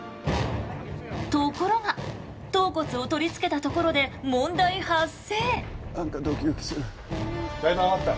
ところが頭骨を取り付けたところで問題発生！